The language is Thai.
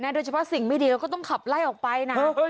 โดยเฉพาะสิ่งไม่ดีเราก็ต้องขับไล่ออกไปนะ